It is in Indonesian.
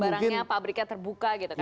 terlihat barangnya pabriknya terbuka gitu